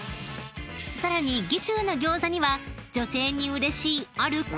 ［さらに「岐州」の餃子には女性にうれしいあるこだわりが］